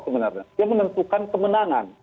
sebenarnya yang menentukan kemenangan